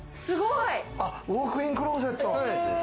ウォークインクローゼット。